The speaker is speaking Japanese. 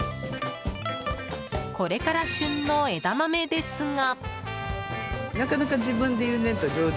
これから旬の枝豆ですが。